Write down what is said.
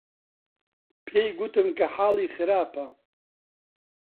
پێی گوتم کە حاڵی خراپە.